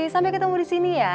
sampai ketemu disini ya